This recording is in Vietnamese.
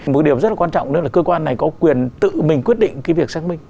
một điều rất là quan trọng nữa là cơ quan này có quyền tự mình quyết định cái việc xác minh